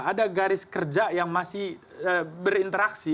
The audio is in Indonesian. ada garis kerja yang masih berinteraksi